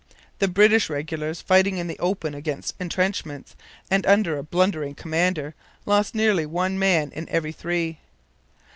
The British regulars, fighting in the open against entrenchments and under a blundering commander, lost nearly one man in every three.